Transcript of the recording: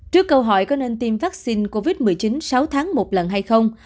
trước câu hỏi có nên tiêm vaccine covid một mươi chín sáu tháng một lần hay không